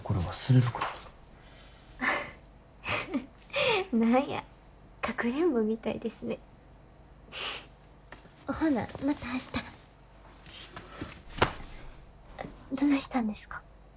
どないしたんですか？